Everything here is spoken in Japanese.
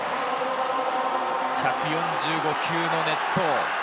１４５球の熱投。